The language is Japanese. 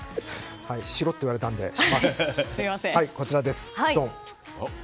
しろって言われたのでします。